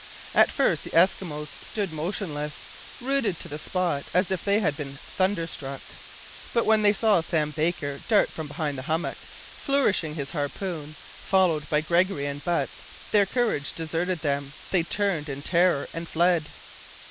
At first the Eskimos stood motionless rooted to the spot, as if they had been thunderstruck. But when they saw Sam Baker dart from behind the hummock, flourishing his harpoon, followed by Gregory and Butts, their courage deserted them; they turned in terror and fled.